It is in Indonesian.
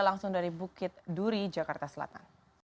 langsung dari bukit duri jakarta selatan